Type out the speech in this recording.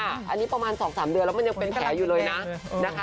อันนี้ประมาณ๒๓เดือนแล้วมันยังเป็นแผลอยู่เลยนะนะคะ